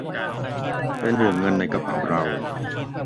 เป็นห่วงเงินในกระเป๋าเรา